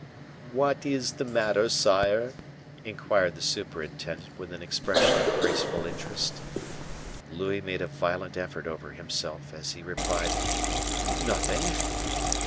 "What is the matter, sire?" inquired the superintendent, with an expression of graceful interest. Louis made a violent effort over himself, as he replied, "Nothing."